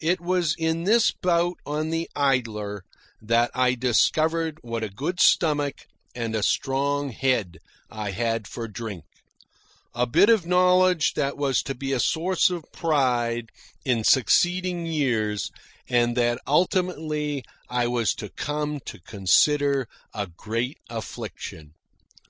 It was in this bout on the Idler that I discovered what a good stomach and a strong head I had for drink a bit of knowledge that was to be a source of pride in succeeding years, and that ultimately I was to come to consider a great affliction.